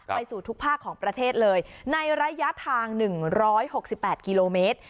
ไปสู่ทุกภาคของประเทศเลยในระยะทางหนึ่งร้อยหกสิบแปดกิโลเมตร